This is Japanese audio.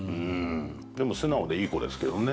でも素直でいい子ですけどね。